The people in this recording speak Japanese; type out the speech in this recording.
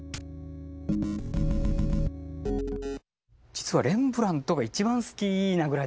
実はレンブラントが一番好きなぐらい大好きですね。